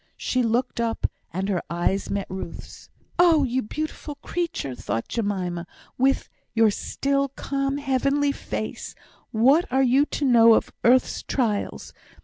She looked up, and her eyes met Ruth's. "Oh! you beautiful creature!" thought Jemima, "with your still, calm, heavenly face, what are you to know of earth's trials!